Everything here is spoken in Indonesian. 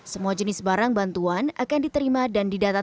semua jenis barang bantuan akan diterima dan didatangkan